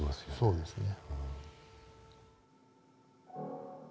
そうですね。